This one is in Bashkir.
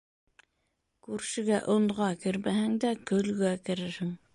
Күршегә онға кермәһәң дә, көлгә керерһең.